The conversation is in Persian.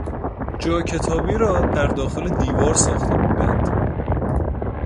جا کتابی را در داخل دیوار ساخته بودند.